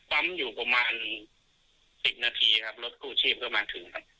ปั๊มอยู่ประมาณ๑๐นาทีครับรถกู้ชีพก็มาถึงครับ